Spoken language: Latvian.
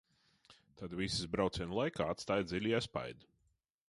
Tad viss brauciena laikā atstāja dziļu iespaidu.